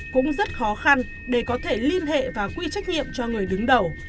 cũng rất khó khăn để có thể liên hệ và quy trách nhiệm cho người đứng đầu